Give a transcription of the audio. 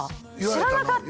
知らなかった！